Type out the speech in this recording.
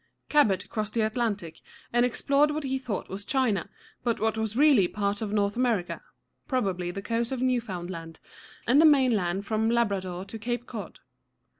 Cabot crossed the Atlantic, and explored what he thought was China, but what was really part of North America, probably the coast of New´foŭnd land and of the mainland from Labrador to Cape Cod.